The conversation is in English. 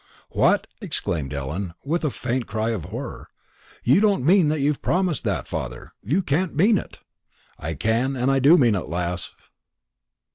"What!" exclaimed Ellen, with a faint cry of horror; "you don't mean that you've promised that, father! You can't mean it!" "I can and do mean it, lass."